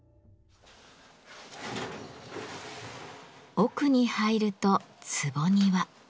奥に入ると「坪庭」。